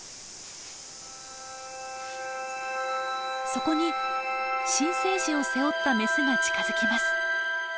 そこに新生児を背負ったメスが近づきます。